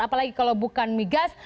apalagi kalau bukan migas